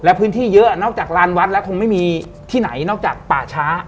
และพื้นที่เยอะนอกจากลานวัดแล้วคงไม่มีที่ไหนนอกจากป่าช้า